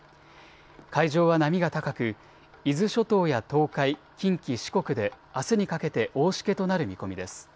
海上は波が高く伊豆諸島や東海、近畿、四国であすにかけて大しけとなる見込みです。